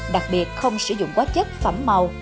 đặc biệt không sử dụng quá chất phẩm màu